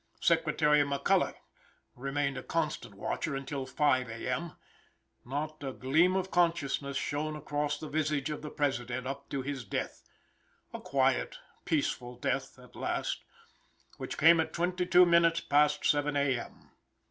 Secretary McCulloch remained a constant watcher until 5 A. M. Not a gleam of consciousness shone across the visage of the President up to his death a quiet, peaceful death at last which came at twenty two minutes past seven A. M.